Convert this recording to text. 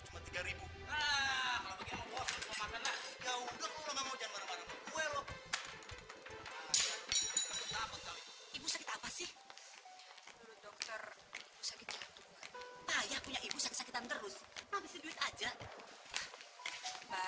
sekarang cobaan ini ya allah